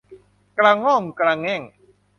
กระง่องกระแง่ง